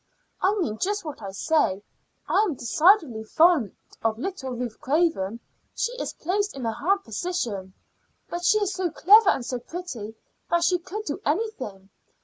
"I mean just what I say. I am decidedly fond of little Ruth Craven. She is placed in a hard position, but she is so clever and so pretty that she could do anything.